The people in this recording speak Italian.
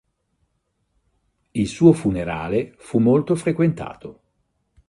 Il suo funerale fu molto frequentato.